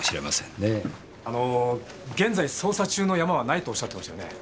あの現在捜査中のヤマはないとおっしゃってましたよねえ。